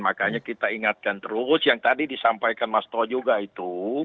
makanya kita ingatkan terus yang tadi disampaikan mas to juga itu